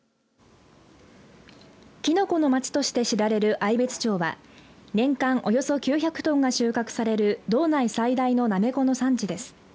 きのこの町として知られる愛別町は年間およそ９００トンが収穫される道内最大の、なめこの産地です。